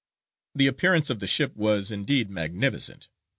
The appearance of the ship was, indeed, magnificent.